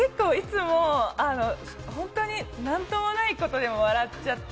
結構いつも本当になんともないことでも笑っちゃって。